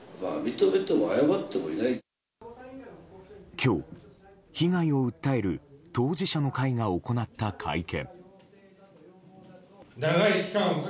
今日、被害を訴える当事者の会が行った会見。